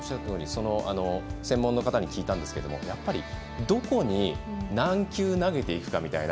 専門の方に聞いたんですがやっぱりどこに何球投げていくかみたいな。